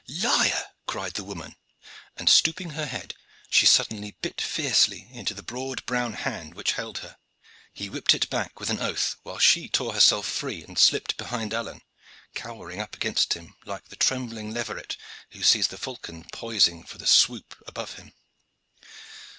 "Liar!" cried the woman; and, stooping her head, she suddenly bit fiercely into the broad brown hand which held her. He whipped it back with an oath, while she tore herself free and slipped behind Alleyne, cowering up against him like the trembling leveret who sees the falcon poising for the swoop above him.